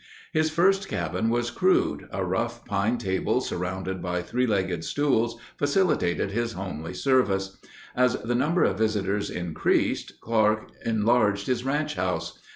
His first cabin was crude. A rough pine table surrounded by three legged stools facilitated his homely service. As the number of visitors increased, Clark enlarged his ranch house.